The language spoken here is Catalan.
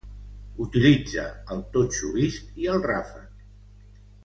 Utilitza el totxo vist i el ràfec.